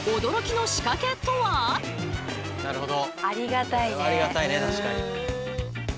なるほど。